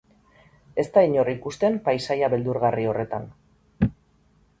Ez da inor ikusten paisaia beldurgarri horretan.